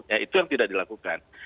ya itu yang tidak dilakukan